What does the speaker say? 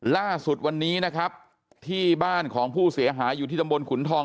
ล่าสุดวันนี้นะครับที่บ้านของผู้เสียหายอยู่ที่ตำบลขุนทอง